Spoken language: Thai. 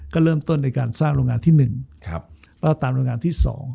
ก็เริ่มต้นในการสร้างโรงงานที่๑แล้วตามโรงงานที่๒